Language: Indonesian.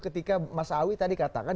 ketika mas awi tadi katakan